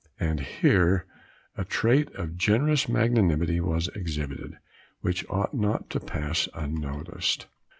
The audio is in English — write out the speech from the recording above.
And here a trait of generous magnanimity was exhibited, which ought not to pass unnoticed.